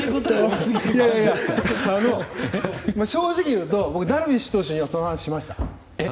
正直言うとダルビッシュ投手にはその話をしました。